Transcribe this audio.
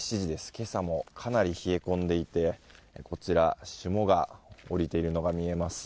今朝もかなり冷え込んでいてこちら、霜が降りているのが見えます。